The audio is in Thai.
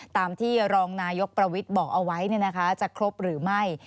ตามที่รองนายกประวิทย์บอกเอาไว้จะครบหรือไม่